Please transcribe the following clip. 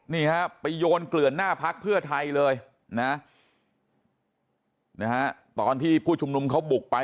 นี่ฮะไปโยนเกลื่อนหน้าพักเพื่อไทยเลยนะตอนที่ผู้ชุมนุมเขาบุกไป